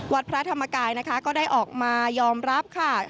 วัดพระธรรมกายนะคะก็ได้ออกมายอมรับค่ะ